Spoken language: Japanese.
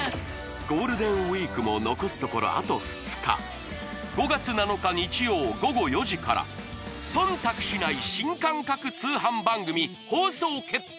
ゴールデンウイークも残すところあと２日５月７日日曜午後４時から忖度しない新感覚通販番組放送決定